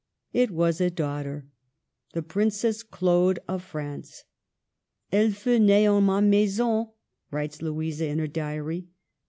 It was a daughter, — the Princess Claude of France. Elle fut nee en ma maison," writes Louisa In her diary.